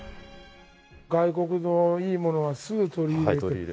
外国のいいものはすぐ取り入れて。